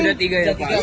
sudah tiga ya